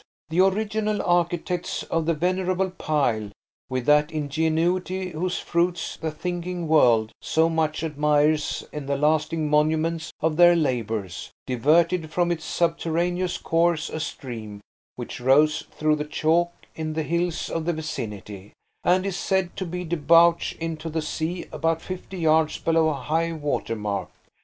The original architects of the venerable pile, with that ingenuity whose fruits the thinking world so much admires in the lasting monuments of their labours, diverted from its subterraneous course a stream which rose through the chalk in the hills of the vicinity, and is said to be debouch into the sea about fifty yards below high water mark.